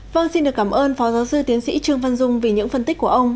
vâng xin được cảm ơn phó giáo sư tiến sĩ trương văn dung vì những phân tích của ông